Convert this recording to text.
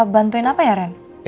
bantuin apa ya ren